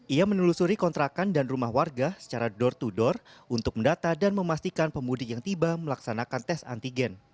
ia menelusuri kontrakan dan rumah warga secara door to door untuk mendata dan memastikan pemudik yang tiba melaksanakan tes antigen